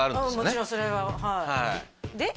もちろんそれははいで？